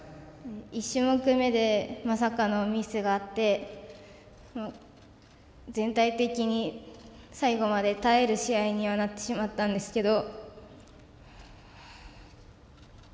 １種目めでまさかのミスがあって全体的に最後まで耐える試合にはなってしまったんですけど。